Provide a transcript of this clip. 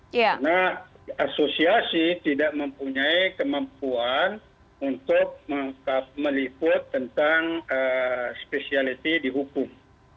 karena asosiasi tidak mempunyai kemampuan untuk meliput tentang spesialiti di hukum